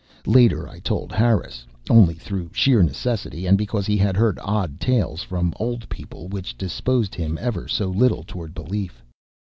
Later I told Harris only through sheer necessity, and because he had heard odd tales from old people which disposed him ever so little toward belief.